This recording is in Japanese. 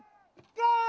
ゴー！